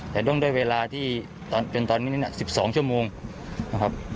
แต่ต้องด้วยเวลาที่จนตอนนี้เนี่ย๑๒ชั่วโมงนะครับ